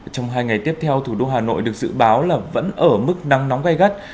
trong hai ngày tiếp theo thủ đô hà nội được dự báo là vẫn ở mức nắng nóng gai gắt